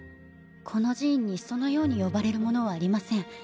この寺院にそのように呼ばれるものはありません。